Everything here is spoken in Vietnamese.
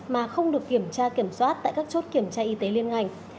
mà không được kiểm tra kiểm soát tại các chốt kiểm tra y tế liên ngành